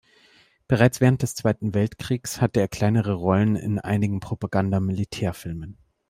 Bereits während des Zweiten Weltkriegs hatte er kleinere Rollen in einigen Propaganda-Militärfilmen.